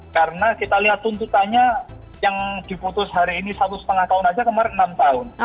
karena kita lihat tuntutannya yang diputus hari ini satu setengah tahun saja kemarin enam tahun